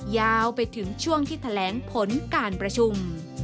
ยาวไปถึงช่วงที่แถลงผลการประชุม